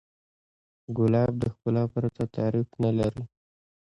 ګلاب د ښکلا پرته تعریف نه لري.